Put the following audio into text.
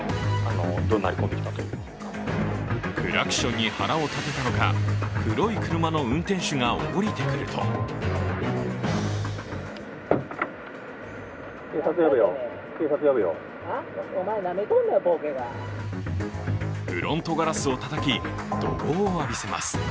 クラクションに腹を立てたのか、黒い車の運転手が降りてくるとフロントガラスをたたき、怒号を浴びせます。